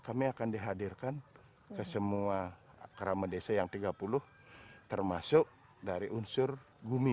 kami akan dihadirkan ke semua kerama desa yang tiga puluh termasuk dari unsur gumi